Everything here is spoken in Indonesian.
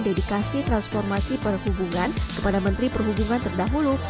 dedikasi transformasi perhubungan kepada menteri perhubungan terdahulu